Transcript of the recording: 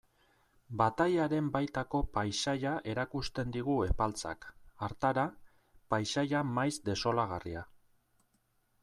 Batailaren baitako paisaia erakusten digu Epaltzak, hartara, paisaia maiz desolagarria.